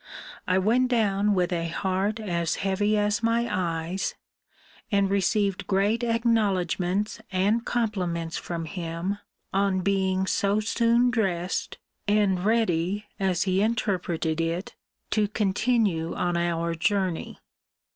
I went down with a heart as heavy as my eyes, and received great acknowledgements and compliments from him on being so soon dressed, and ready (as he interpreted it) to continue on our journey.